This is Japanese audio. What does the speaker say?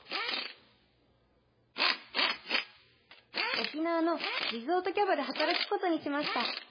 「沖縄のリゾートキャバで働くことにしました！